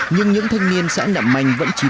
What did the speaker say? nhưng những thanh niên xã nặng manh vẫn trí thú